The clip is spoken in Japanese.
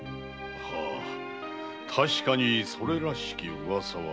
はあ確かにそれらしき噂は。